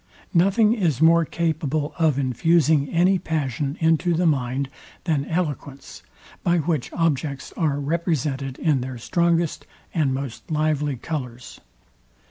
Nothing is more capable of infusing any passion into the mind, than eloquence, by which objects are represented in their strongest and most lively colours.